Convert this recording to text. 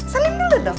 salim dulu dong